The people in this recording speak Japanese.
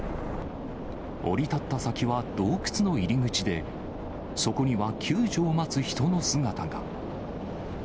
降り立った先は洞窟の入り口で、そこには救助を待つ人の姿が。